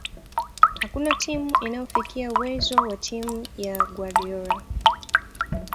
Hakuna timu inayofikia uwezo wa timu ya Guardiola